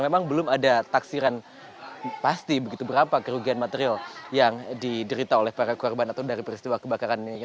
memang belum ada taksiran pasti begitu berapa kerugian material yang diderita oleh para korban atau dari peristiwa kebakaran ini